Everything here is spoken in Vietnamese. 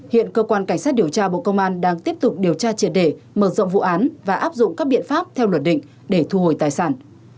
hiện cơ quan cảnh sát điều tra bộ công an đang tiếp tục điều tra triệt đề mở rộng vụ án và áp dụng các biện pháp theo luật định để thu hồi tài sản